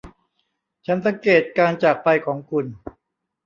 ฉันสังเกตุการจากไปของคุณ